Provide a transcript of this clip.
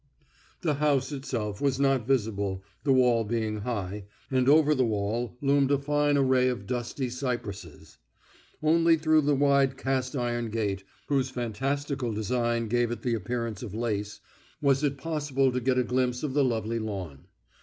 The house itself was not visible, the wall being high, and over the wall loomed a fine array of dusty cypresses. Only through the wide cast iron gate, whose fantastical design gave it the appearance of lace, was it possible to get a glimpse of the lovely lawn.